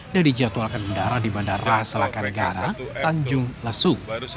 dan dijatuhkan bendara di bandara selatan negara tanjung lesu